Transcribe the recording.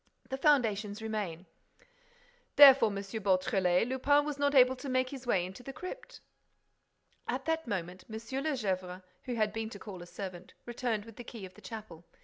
The foundations remain." "Therefore, M. Beautrelet, Lupin was not able to make his way into the crypt." At that moment, M. de Gesvres, who had been to call a servant, returned with the key of the chapel.